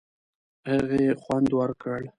هغې خوند ورکړ.